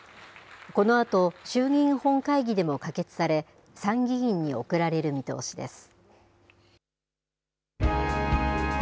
このあと、衆議院本会議でも可決され、参議院に送られる見通しです。